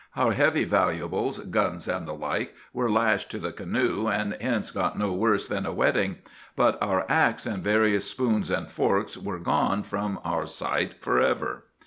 Our heavy valuables, guns and the like, were lashed to the canoe, and hence got no worse than a wetting; but our axe and various spoons and forks were gone from our sight forever.